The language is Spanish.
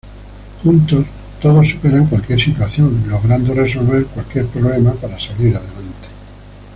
Juntos, todos superan cualquier situación, logrando resolver cualquier problema para salir adelante.